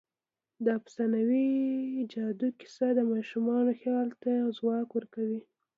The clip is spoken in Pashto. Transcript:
د افسانوي جادو کیسه د ماشومانو خیال ته ځواک ورکوي.